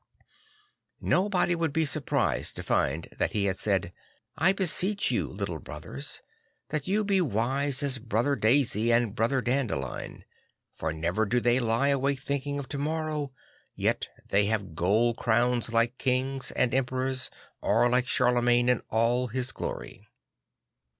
Nobody would be surprised to find that he had said, .. I beseech you, little brothers, that you be as wise as Brother Daisy and Brother Dandelion; for never do they lie awake thinking of to morrow, yet they have gold crowns like kings and emperors or like Charlemagne in all his glory.